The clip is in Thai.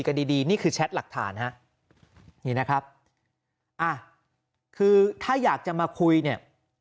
ดีดีนี่คือแชทหลักฐานฮะนี่นะครับอ่ะคือถ้าอยากจะมาคุยเนี่ย